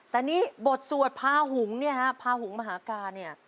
แต่นี่บทสวดพาหุงเนี่ยฮะพาหุงมหากาเนี่ย